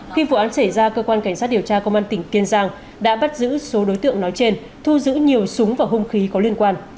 khi vụ án xảy ra cơ quan cảnh sát điều tra công an tỉnh kiên giang đã bắt giữ số đối tượng nói trên thu giữ nhiều súng và hung khí có liên quan